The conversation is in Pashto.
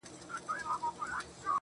اكثره وخت بيا پر دا بل مخ واوړي_